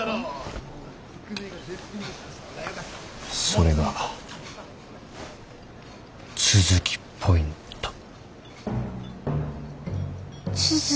それが都築ポイント。